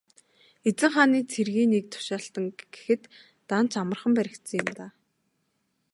Эзэн хааны цэргийн нэг тушаалтан гэхэд даанч амархан баригдсан юм даа.